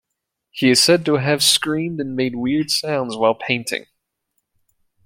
He is said to have screamed and made weird sounds while painting.